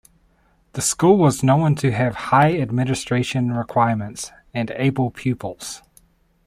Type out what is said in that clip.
The school was known to have high admission requirements and able pupils.